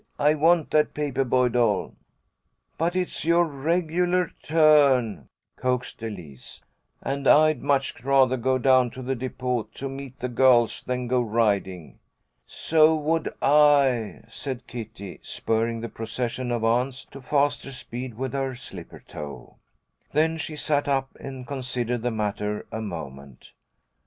I want that paper boy doll." "But it's your regular turn," coaxed Elise, "and I'd much rather go down to the depot to meet the girls than go riding." "So would I," said Kitty, spurring the procession of ants to faster speed with her slipper toe. Then she sat up and considered the matter a moment.